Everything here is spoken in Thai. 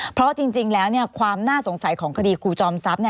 เพราะจริงแล้วความน่าสงสัยของคดีครูจอมทรัพย์